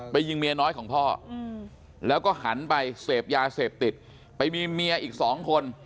ยิงเมียน้อยของพ่อแล้วก็หันไปเสพยาเสพติดไปมีเมียอีกสองคน